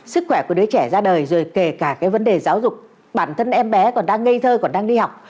sức khỏe của đứa trẻ ra đời rồi kể cả cái vấn đề giáo dục bản thân em bé còn đang ngây thơ còn đang đi học